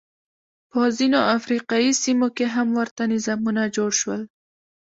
په ځینو افریقايي سیمو کې هم ورته نظامونه جوړ شول.